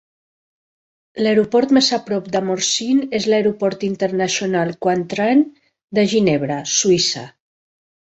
L'aeroport més a prop de Morzine és l'Aeroport Internacional Cointrin de Ginebra (Suïssa).